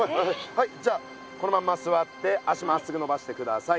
はいじゃあこのまますわって足まっすぐのばしてください。